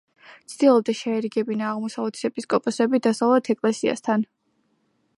ცდილობდა შეერიგებინა აღმოსავლეთის ეპისკოპოსები დასავლეთ ეკლესიასთან.